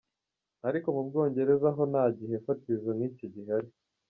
Ariko mu Bwongereza ho nta gihe fatizo nk'icyo gihari.